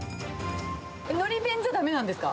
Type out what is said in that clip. のり弁じゃだめなんですか？